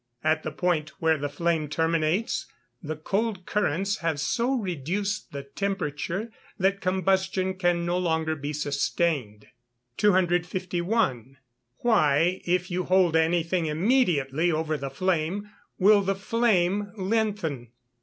At the point where the flame terminates the cold currents have so reduced the temperature that combustion can no longer be sustained. 251. _Why, if you hold anything immediately over the flame, will the flame lengthen?